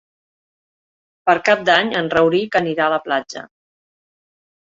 Per Cap d'Any en Rauric anirà a la platja.